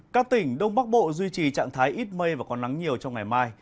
các tỉnh đông bắc bộ duy trì trạng thái ít mây và có nắng nhiều trong ngày mai